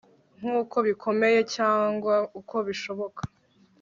nkuko bikomeye cyangwa uko bishoboka